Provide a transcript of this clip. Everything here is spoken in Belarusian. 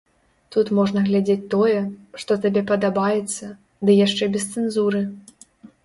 Тут можна глядзець тое, што табе падабаецца, ды яшчэ без цэнзуры.